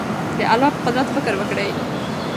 د الله په قدرت فکر وکړئ.